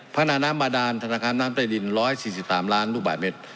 พนาน้ำบาดานธนาคารน้ำใต้ดิน๑๔๓ล้านลูกบาทเมตร